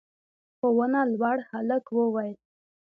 په ونه لوړ هلک وويل: